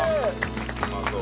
うまそう。